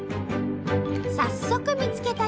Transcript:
早速見つけた行列。